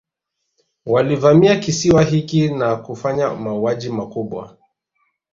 Walivamia kisiwa hiki na kufanya mauaji makubwa